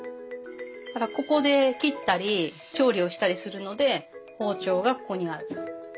だからここで切ったり調理をしたりするので包丁がここにある。